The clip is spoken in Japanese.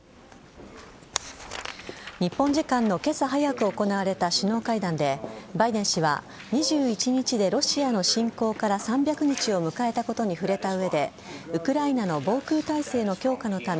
日本時間の今朝早く行われた首脳会談でバイデン氏は２１日でロシアの侵攻から３００日を迎えたことに触れた上でウクライナの防空態勢の強化のため